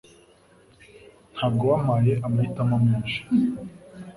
Ntabwo wampaye amahitamo menshi